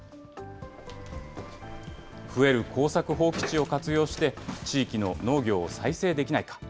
増える耕作放棄地を活用して、地域の農業を再生できないか。